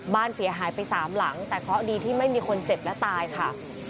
บ้านเสียหายไปสามหลังแต่เคราะห์ดีที่ไม่มีคนเจ็บและตายค่ะ